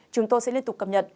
chúng tôi sẽ liên tục cập nhật